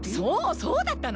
そうだったの！